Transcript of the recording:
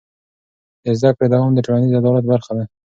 د زده کړې دوام د ټولنیز عدالت برخه ده.